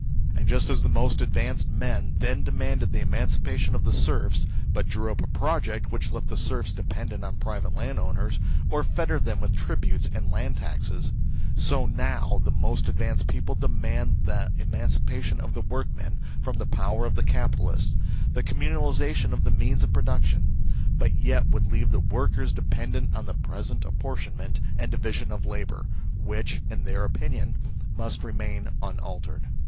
And just as the most advanced men then demanded the emancipation of the serfs, but drew up a Project which left the serfs dependent on private landowners, or fettered them with tributes and land taxes so now the most advanced people demand the emancipation of the workmen from the power of the capitalists, the communalisation of the means of production, but yet would leave the workers dependent on the present apportion ment and division of labour, which, in their opinion, must remain unaltered.